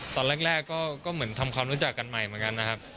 ตอนแรกก็เหมือนทำความรู้จักกันใหม่เหมือนกันนะครับ